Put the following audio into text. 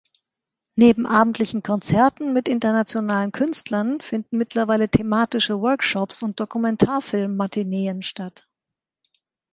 Neben abendlichen Konzerten mit internationalen Künstlern finden mittlerweile thematische Workshops und Dokumentarfilm-Matineen statt.